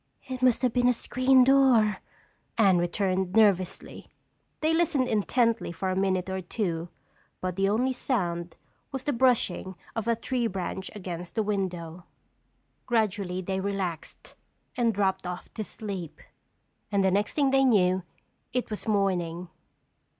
"It must have been a screen door," Anne returned nervously. They listened intently for a minute or two but the only sound was the brushing of a tree branch against the window. Gradually they relaxed and dropped off to sleep. And the next thing they knew it was morning.